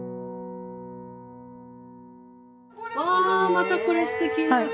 またこれ、すてきな。